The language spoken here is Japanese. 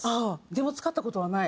でも使った事はない？